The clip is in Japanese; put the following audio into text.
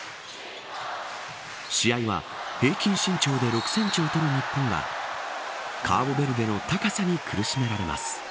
試合は平均身長で６センチ劣る日本がカーボベルデの高さに苦しめられます。